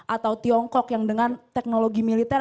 atau tiongkok yang dengan teknologi militer